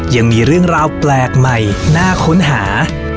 ยังมีเรื่องราวแปลกใหม่น่าค้นหา